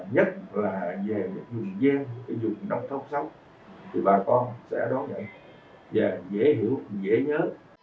nhất là về dùng ghen dùng nông thốc sóc thì bà con sẽ đón nhận và dễ hiểu dễ nhớ